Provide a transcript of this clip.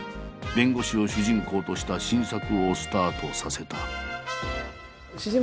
弁護士を主人公とした新作をスタートさせた。